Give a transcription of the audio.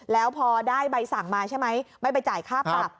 แล้วพอได้ใบสั่งมาใช่ไหมไม่ไปจ่ายค่าปรับ